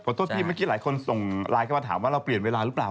โทษที่เมื่อกี้หลายคนส่งไลน์เข้ามาถามว่าเราเปลี่ยนเวลาหรือเปล่า